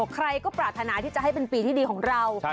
ใครก็ปรารถนาที่จะให้เป็นปีที่ดีของเรา